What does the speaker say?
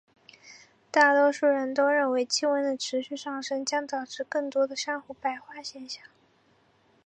大多数人都认为气温的持续上升将导致更多的珊瑚白化现象。